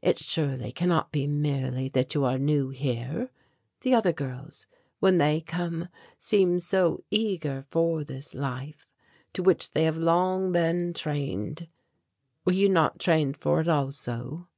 It surely cannot be merely that you are new here. The other girls when they come seem so eager for this life, to which they have long been trained. Were you not trained for it also?"